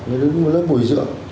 nó đứng ở lớp bùi dựa